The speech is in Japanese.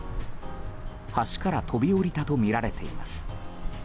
橋から飛び降りたとみられています。